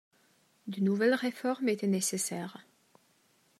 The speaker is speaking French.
De nouvelles réformes étaient nécessaires.